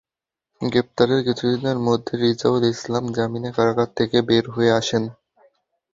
গ্রেপ্তারের কিছুদিনের মধ্যেই রিয়াজুল ইসলাম জামিনে কারাগার থেকে বের হয়ে আসেন।